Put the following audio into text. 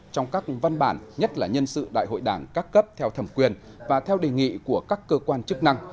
trong các văn bản nhất là nhân sự đại hội đảng các cấp theo thẩm quyền và theo đề nghị của các cơ quan chức năng